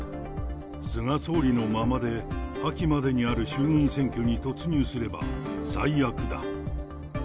菅総理のままで秋までにある衆議院選挙に突入すれば、最悪だ。